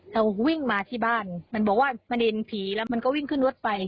เราวิ่งมาที่บ้านมันบอกว่ามันเห็นผีแล้วมันก็วิ่งขึ้นรถไป